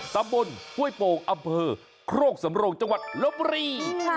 ตำบลห้วยโป่งอำเภอโครกสำโรงจังหวัดลบบุรี